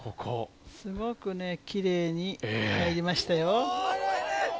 すごくきれいに入りましたよ。